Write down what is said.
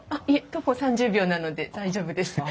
いえ徒歩３０秒なので大丈夫です。